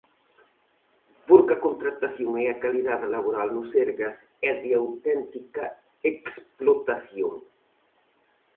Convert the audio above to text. Porque a contratación e a calidade laboral no Sergas é de auténtica explotación.